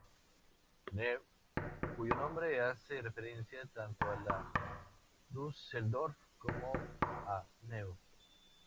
Neu?, cuyo nombre hace referencia tanto a La Düsseldorf como a Neu!.